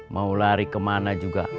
mau lari kemana juga